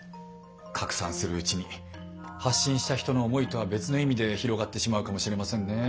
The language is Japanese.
拡散するうちに発信した人の思いとは別の意味で広がってしまうかもしれませんね。